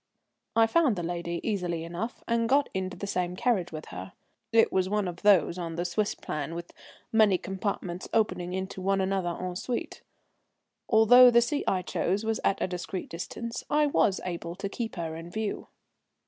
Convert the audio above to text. I found the lady easily enough, and got into the same carriage with her. It was one of those on the Swiss plan, with many compartments opening into one another en suite. Although the seat I chose was at a discreet distance, I was able to keep her in view.